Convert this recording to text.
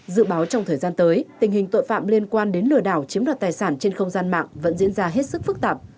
dự báo trong thời gian tới tình hình tội phạm liên quan đến lừa đảo chiếm đoạt tài sản trên không gian mạng vẫn diễn ra hết sức phức tạp